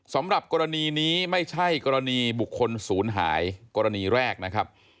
สำหรับกรณีนี้ไม่ใช่กรณีบุคคลศูนย์หายกรณีแรกนะครับ